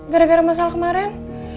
gara gara mas al kemaren